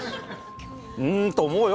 うんと思うよ。